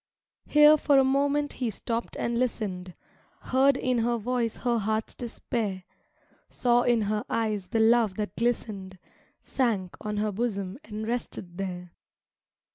Here for a moment he stopped and listened, Heard in her voice her heart's despair, Saw in her eyes the love that glistened, Sank on her bosom and rested there.